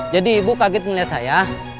jadi ibu kaget melihat saya